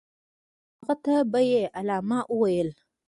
هغه ته به یې علامه ویل.